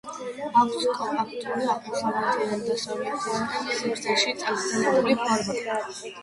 აქვს კომპაქტური, აღმოსავლეთიდან დასავლეთისკენ სიგრძეში წაგრძელებული ფორმა.